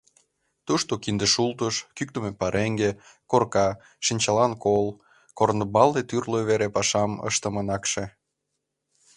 Тушто кинде шултыш, кӱктымӧ пареҥге, корка, шинчалан кол — корнымбалне тӱрлӧ вере пашам ыштымын акше.